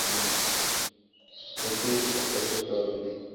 মুক্তি জিনিষটা আত্মার স্বরূপ হতে অভিন্ন।